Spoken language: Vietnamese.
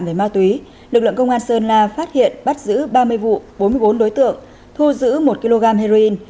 về ma túy lực lượng công an sơn la phát hiện bắt giữ ba mươi vụ bốn mươi bốn đối tượng thu giữ một kg heroin